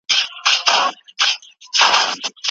هغه وايي چې شرکتونه بریالي شوي دي.